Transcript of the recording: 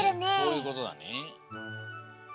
そういうことだね。